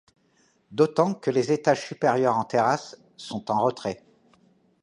D'autant que les étages supérieurs en terrasse sont en retrait.